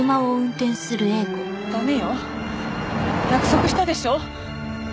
駄目よ約束したでしょ！